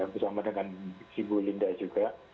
bersama dengan ibu linda juga